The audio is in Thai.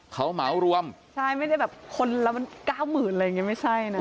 เขาเหมารวมใช่ไม่ได้แบบคนละ๙๐๐๐๐บาทอะไรอย่างนี้ไม่ใช่นะ